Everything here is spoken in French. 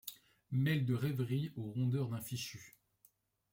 Mêle de rêverie aux rondeurs d'un fichu.